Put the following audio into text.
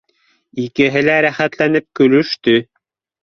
Икеһе лә рәхәтләнеп көлөштө